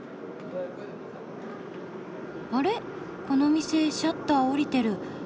この店シャッター下りてる。